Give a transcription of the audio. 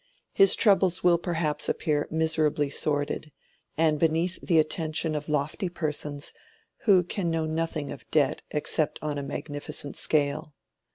His troubles will perhaps appear miserably sordid, and beneath the attention of lofty persons who can know nothing of debt except on a magnificent scale.